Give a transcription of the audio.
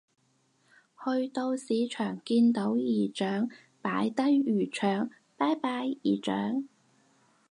去到市場見到姨丈擺低魚腸拜拜姨丈